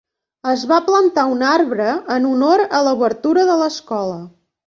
Es va plantar un arbre en honor a l'obertura de l'escola.